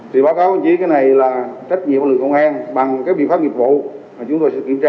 thì báo cáo chỉ cái này là trách nhiệm của lực công an bằng các biện pháp nghiệp vụ mà chúng tôi sẽ kiểm tra